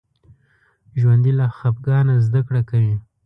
ژوندي له خفګانه زده کړه کوي